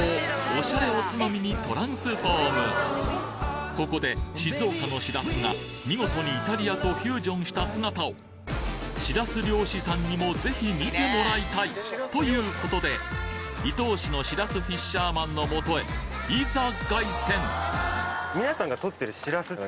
オシャレおつまみにトランスフォームここで静岡のしらすが見事にイタリアとフュージョンした姿をしらす漁師さんにもぜひ見てもらいたい！という事で伊東市のしらすフィッシャーマンのもとへいざ凱旋！